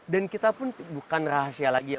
dan kita pun bukan rahasia lagi ya